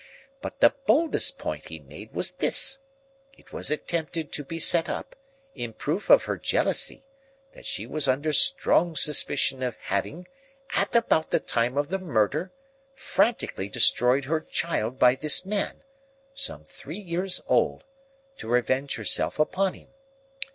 But the boldest point he made was this: it was attempted to be set up, in proof of her jealousy, that she was under strong suspicion of having, at about the time of the murder, frantically destroyed her child by this man—some three years old—to revenge herself upon him.